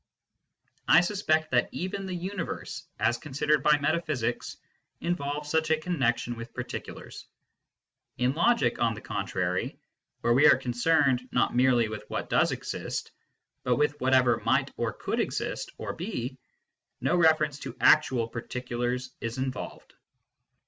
I suspect that even the Universe, as considered by metaphysics, involves such a connection with particulars. In logic, on the contrary, where we are concerned not merely with what does exist, but with whatever might or could exist or be, no reference to actual particulars is involved.